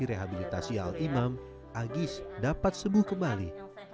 rehabilitasi al imam agis dapat sembuh kembali